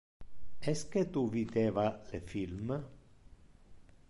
Esque tu videva le film.